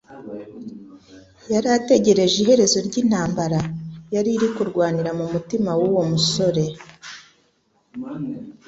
yari ategereje iherezo ry'intambara yari iri kurwanira mu mutima w'uwo musore,